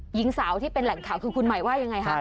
หญิงสาวที่เป็นแหล่งข่าวคือคุณหมายว่ายังไงคะ